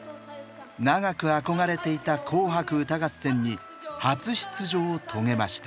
長く憧れていた「紅白歌合戦」に初出場を遂げました。